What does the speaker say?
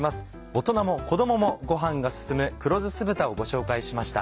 大人も子供もご飯が進む黒酢酢豚をご紹介しました。